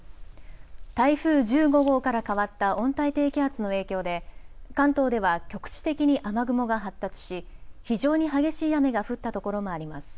台風１５号から変わった温帯低気圧の影響で関東では局地的に雨雲が発達し非常に激しい雨が降ったところもあります。